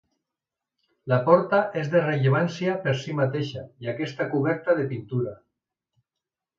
La Porta és de rellevància per si mateixa i aquesta coberta de pintures.